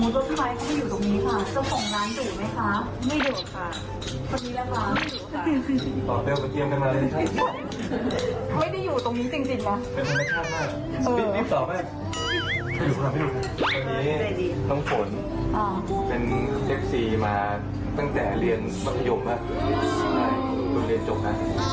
ตั้งแต่เรียนประภาโยมเรียนจบแล้ว